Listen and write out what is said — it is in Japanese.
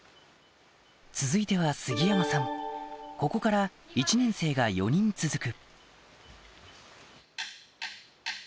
続いてはここから１年生が４人続く